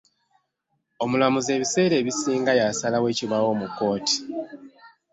Omulamuzi ebiseera ebisinga y'asalawo ekibaawo mu kkooti.